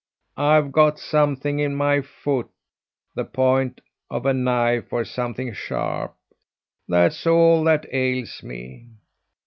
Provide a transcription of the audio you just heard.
I've got something in my foot the point of a knife, or something sharp that's all that ails me.